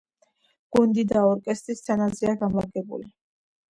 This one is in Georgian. გუნდი და ორკესტრი სცენაზეა განლაგებული.